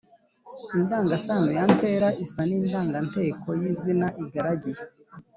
indangasano ya ntera isa n’indanganteko y’izina igaragiye.